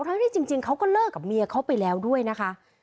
ทั้งที่จริงเขาก็เลิกกับเมียเขาไปแล้วด้วยนะคะ